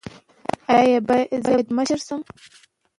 ایا زه باید مشر شم؟